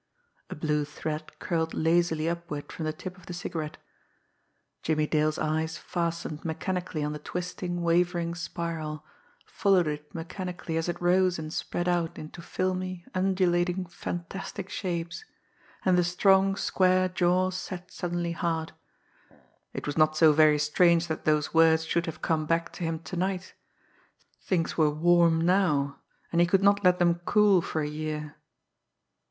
A blue thread curled lazily upward from the tip of the cigarette. Jimmie Dale's eyes fastened mechanically on the twisting, wavering spiral, followed it mechanically as it rose and spread out into filmy, undulating, fantastic shapes and the strong, square jaw set suddenly hard. It was not so very strange that those words should have come back to him to night! Things were "warm" now and he could not let them "cool" for a year!